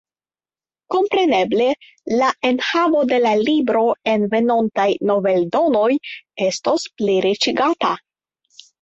Kompreneble la enhavo de la libro en venontaj noveldonoj estos pliriĉigata.